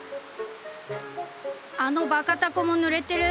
「あのバカ凧もぬれてる？」。